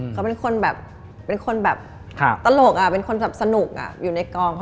เขาเป็นคนแบบเป็นคนแบบตลกเป็นคนแบบสนุกอยู่ในกอง